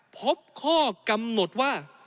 พบข้อกำหนดว่า